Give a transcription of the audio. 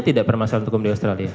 tidak permasalahan hukum di australia